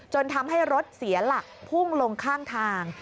ทำให้รถเสียหลักพุ่งลงข้างทาง